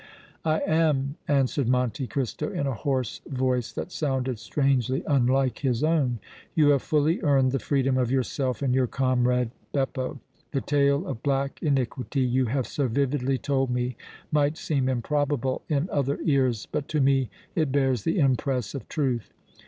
"I am," answered Monte Cristo, in a hoarse voice that sounded strangely unlike his own. "You have fully earned the freedom of yourself and your comrade Beppo. The tale of black iniquity you have so vividly told me might seem improbable in other ears but to me it bears the impress of truth.